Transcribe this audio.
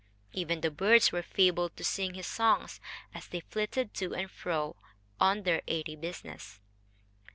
Even the birds were fabled to sing his songs, as they flitted to and fro on their airy business.